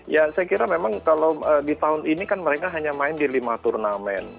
ya saya kira memang kalau di tahun ini kan mereka hanya main di lima turnamen